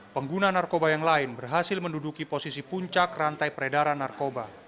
pengguna narkoba yang lain berhasil menduduki posisi puncak rantai peredaran narkoba